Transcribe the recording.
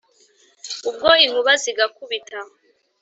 ubwo inkuba zigakubita”